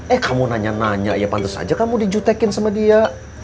eh kamu nanya nanya ya pantas aja kamu dijutekin sama dia